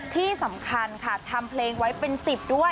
ที่สำคัญค่ะทำเพลงไว้เป็น๑๐ด้วย